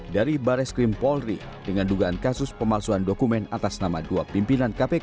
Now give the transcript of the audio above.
dari bares krim polri dengan dugaan kasus pemalsuan dokumen atas nama dua pimpinan kpk